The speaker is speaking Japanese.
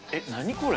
これ。